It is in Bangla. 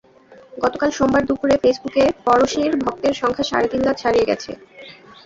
গতকাল সোমবার দুপুরে ফেসবুকে পড়শীর ভক্তের সংখ্যা সাড়ে তিন লাখ ছাড়িয়ে গেছে।